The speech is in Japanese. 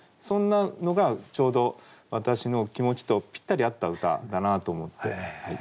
そんなのがちょうど私の気持ちとぴったり合った歌だなと思って。